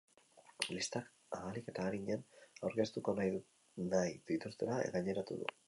Listak ahalik eta arinen aurkeztu nahi dituztela gaineratu du.